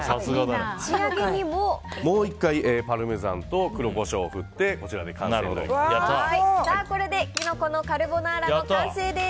仕上げにもう１回パルメザンと黒コショウを振って完成です。